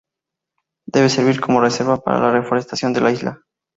Debe servir como reserva para la reforestación de la isla.